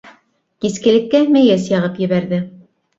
Кискелеккә мейес яғып ебәрҙе.